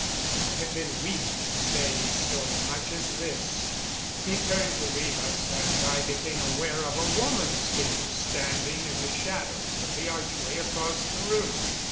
I have been weak to say so much as this." He turned to leave us, and I became aware of a woman's figure standing in the shadows of the archway across the room.